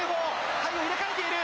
体を入れ替えている。